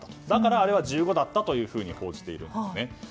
だから、あれは「１５」だったと報じているんです。